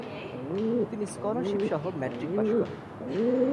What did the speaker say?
তিনি স্কলারশিপসহ matric pass করেন।